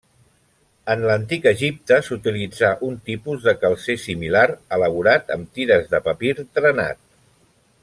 En l'Antic Egipte s'utilitzà un tipus de calcer similar, elaborat amb tires de papir trenat.